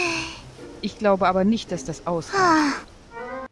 Ich glaube aber nicht, dass das ausreicht.